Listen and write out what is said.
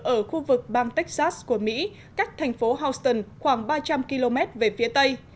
ở khu vực bang texas của mỹ cách thành phố houston khoảng ba trăm linh km về phía tây